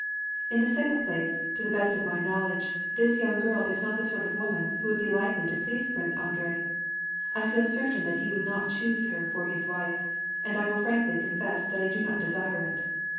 In the second place, to the best of my knowledge, this youug girl is not the sort of woman who would be likely to please Prince Andrei. 1 feel certain that he would not choose her for his wife; and I will frankly confess that I do not desire it.